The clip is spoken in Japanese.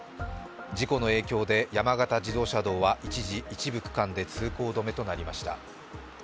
事故の影響で山形自動車道は一時一部区間で通行止めとなりました。